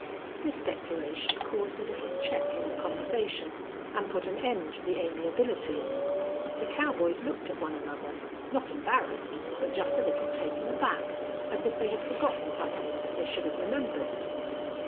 This declaration caused a little check in the conversation and put an end to the amiability. The cowboys looked at one another, not embarrassed, but just a little taken aback, as if they had forgotten something that they should have remembered.